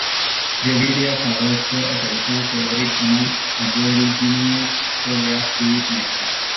Grevillea flowers were a traditional favourite among Aborigines for their sweet nectar.